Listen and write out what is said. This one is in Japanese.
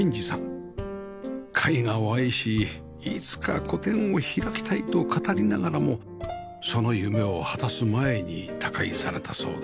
絵画を愛し「いつか個展を開きたい」と語りながらもその夢を果たす前に他界されたそうです